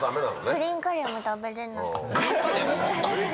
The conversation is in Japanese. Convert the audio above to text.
グリーンカレーも食べれなくて。